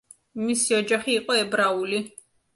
მისი ოჯახი იყო ებრაული.